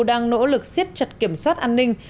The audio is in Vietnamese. đang nỗ lực xiết chặt kiểm soát an ninh